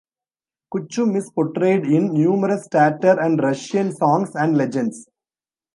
Kuchum is portrayed in numerous Tatar and Russian songs and legends.